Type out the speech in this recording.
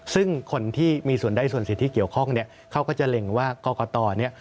ซึ่งคนที่มีส่วนได้ส่วนสิทธิเกี่ยวข้องเนี่ยเขาก็จะเล็งว่ากรกตเนี่ย